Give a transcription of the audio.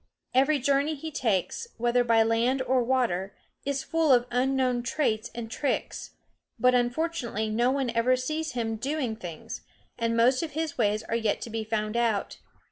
Every journey he takes, whether by land or water, is full of unknown traits and tricks; but unfortunately no one ever sees him doing things, and most of his ways are yet to be found out.